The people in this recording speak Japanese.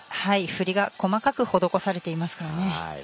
振りが細かく施されていますからね。